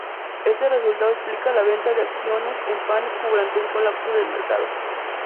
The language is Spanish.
Este resultado explica la venta de acciones en pánico durante un colapso del mercado.